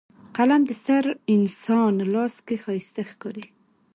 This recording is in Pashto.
قلم د ستر انسان لاس کې ښایسته ښکاري